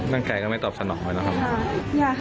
ร่างกายก็ไม่ตอบสนองเลยนะครับอยากจะเอานักที่สุดเลยอ่ะลูก